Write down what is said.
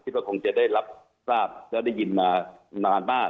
ว่าคงจะได้รับทราบและได้ยินมานานมาก